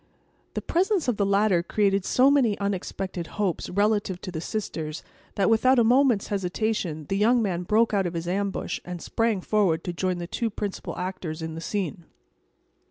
The presence of the latter created so many unexpected hopes relative to the sisters that, without a moment's hesitation, the young man broke out of his ambush, and sprang forward to join the two principal actors in the scene.